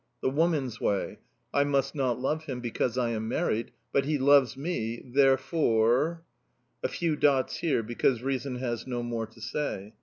The woman's way: "I must not love him, because I am married; but he loves me therefore"... A few dots here, because reason has no more to say.